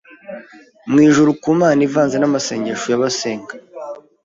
i mu ijuru ku Mana, ivanze n'amasengesho y'abasenga